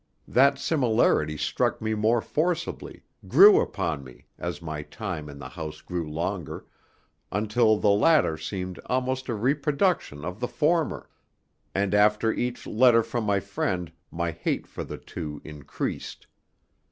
That similarity struck me more forcibly, grew upon me, as my time in the house grew longer, until the latter seemed almost a reproduction of the former, and after each letter from my friend my hate for the two increased.